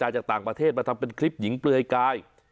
จากต่างประเทศมาทำเป็นคลิปหญิงเปลือยกาย